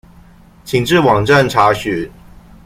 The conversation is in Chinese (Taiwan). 請至網站查詢